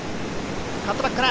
カットバックから。